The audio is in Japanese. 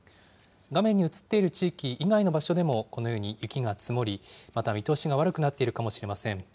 画面にうつっている地域以外の場所でもこのように雪が積もり、また見通しが悪くなっているかもしれません。